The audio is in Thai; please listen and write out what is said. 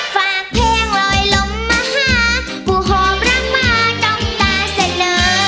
ฝากเพลงลอยลมมาหาผู้หอมรักมาต้องตาเสนอ